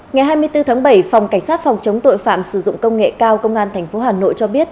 ngày hai mươi bốn tháng bảy phòng cảnh sát phòng chống tội phạm sử dụng công nghệ cao công an tp hà nội cho biết